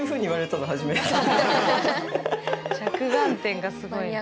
着眼点がすごい。